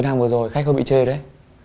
anh chết đấy